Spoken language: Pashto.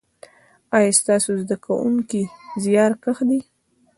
ایا ستاسو زده کونکي زیارکښ دي؟